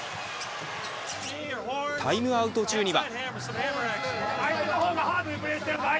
タイムアウト中には。